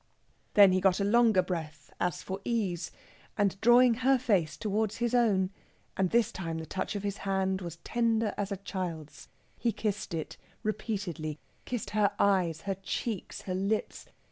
Then he got a longer breath, as for ease, and drawing her face towards his own and this time the touch of his hand was tender as a child's he kissed it repeatedly kissed her eyes, her cheeks, her lips.